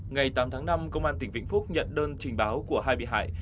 ngày tám tháng năm công an tỉnh vĩnh phúc nhận đơn trình báo của hai bị hại